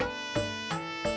ada apa be